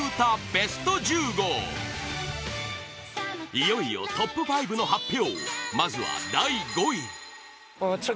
いよいよトップ５の発表